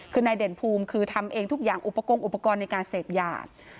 คือนายเด่นภูมิคือทำเองทุกอย่างอุปกรณอุปกรณ์ในการเสพยา